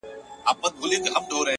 ځوان پر لمانځه ولاړ دی،